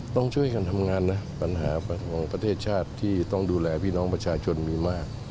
ต้องช่วยกันทำงานนะปัญหาของประเทศชาติที่ต้องดูแลพี่น้องประชาชนมีมาก